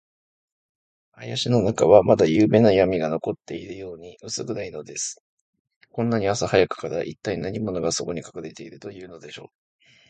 林の中は、まだゆうべのやみが残っているように、うす暗いのです。こんなに朝早くから、いったい何者が、そこにかくれているというのでしょう。